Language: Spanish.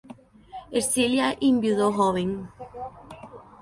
Ercilia enviudó joven.